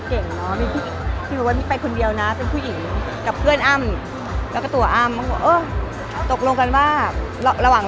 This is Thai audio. อเจมส์คิดว่าเป็นการฉีกตัวเองหรือจะก่อคนเดินได้บ้าง